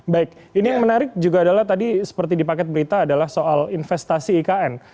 baik ini yang menarik juga adalah tadi seperti di paket berita adalah soal investasi ikn